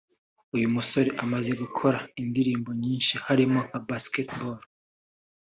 uyu musore amaze gukora indirimbo nyinshi harimo nka Basketball